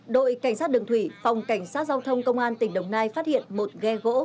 đội cảnh sát đường thủy phòng cảnh sát giao thông công an tỉnh đồng nai phát hiện một ghe gỗ